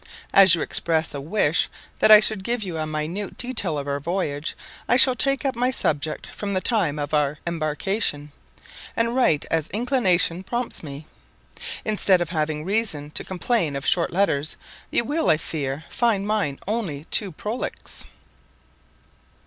As you express a wish that I should give you a minute detail of our voyage, I shall take up my subject from the time of our embarkation, and write as inclination prompts me. Instead of having reason to complain of short letters, you will, I fear, find mine only too prolix.